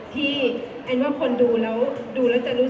เสียงปลดมือจังกัน